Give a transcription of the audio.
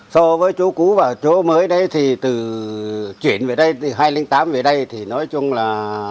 so với chỗ cũ và chỗ mới đây thì từ chuyển về đây từ hai nghìn tám về đây thì nói chung là